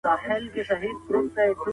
بد عمل تل هېرېږي